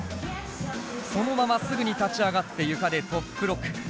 そのまますぐに立ち上がって床でトップロック。